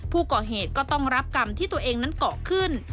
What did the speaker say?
ผู้ก่อเหตุก็ต้องรับกรรมที่ตัวเองนั้นเกาะขึ้น